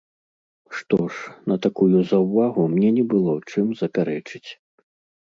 Што ж, на такую заўвагу мне не было чым запярэчыць.